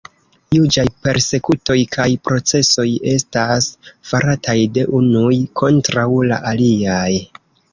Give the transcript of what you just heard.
Juĝaj persekutoj kaj procesoj estas farataj de unuj kontraŭ la aliaj.